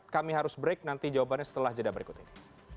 kami harus break nanti jawabannya setelah jeda berikut ini